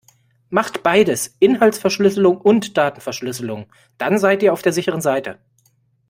Macht beides, Inhaltsverschlüsselung und Datenverschlüsselung, dann seit ihr auf der sicheren Seite.